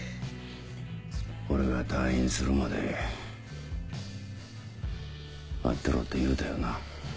俺が退院するまで待ってろって言うたよな？